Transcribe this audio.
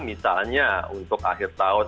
misalnya untuk akhir tahun